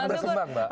kan bersembang mbak